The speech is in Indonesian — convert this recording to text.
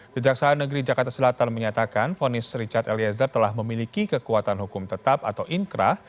kejaksaan negeri jakarta selatan menyatakan fonis richard eliezer telah memiliki kekuatan hukum tetap atau inkrah